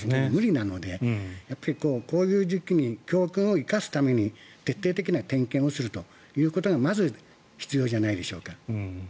無理なのでやっぱりこういう時期に教訓を生かすために徹底的な点検をするということがまず必要じゃないでしょうか。